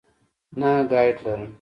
نه ګائیډ لرم.